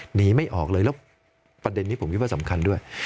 หนีไม่ออกเลยแล้วประเด็นนี้ผมคิดว่าสำคัญด้วย